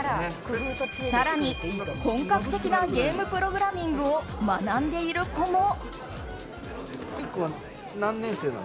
更に本格的なゲームプログラミングを学んでいる子も。